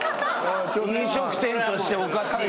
飲食店としておかしいよ。